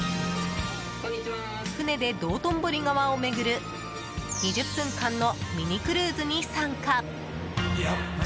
船で道頓堀川を巡る２０分間のミニクルーズに参加。